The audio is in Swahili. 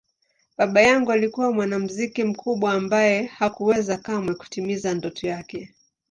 Baba yangu alikuwa mwanamuziki mkubwa ambaye hakuweza kamwe kutimiza ndoto yake.